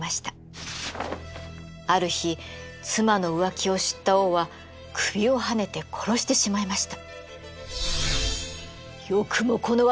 ある日妻の浮気を知った王は首をはねて殺してしまいました。